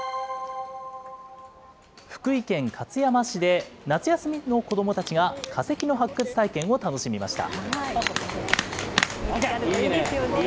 福井県勝山市で、夏休みの子どもたちが、化石の発掘体験を楽しみました。